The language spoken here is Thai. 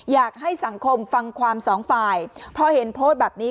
อยากให้สังคมฟังความสองฝ่ายเพราะเห็นโพสต์แบบนี้